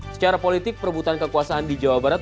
secara politik perbutan kekuasaan di jawa barat